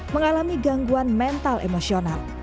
mengalami gangguan mental emosional